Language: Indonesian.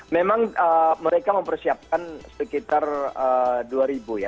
memang mereka mempersiapkan sekitar dua ribu ya